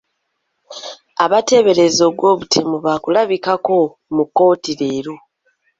Abateeberezebwa ogw'obutemu baakulabikako mu kkooti leero.